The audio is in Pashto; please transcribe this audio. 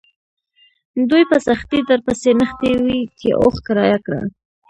دوی په سختۍ درپسې نښتي وي چې اوښ کرایه کړه.